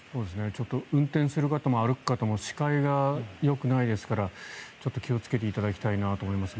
ちょっと運転する方も歩く方も視界がよくないですから気をつけていただきたいなと思います。